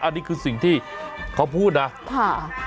อันนี้คือสิ่งที่เขาพูดนะค่ะ